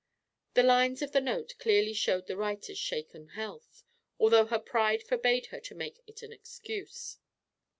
The lines of the note clearly showed the writer's shaken health, although her pride forbade her to make it her excuse.